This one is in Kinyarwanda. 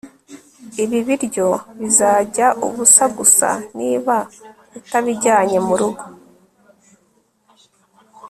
ibi biryo bizajya ubusa gusa niba utabijyanye murugo